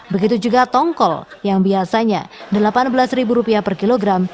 begitu juga tongkol yang biasanya delapan belas ribu rupiah per kilogram